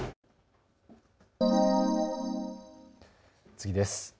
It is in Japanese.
次です。